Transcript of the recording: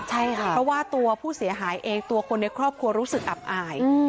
ใช่ค่ะเพราะว่าตัวผู้เสียหายเองตัวคนในครอบครัวรู้สึกอับอาย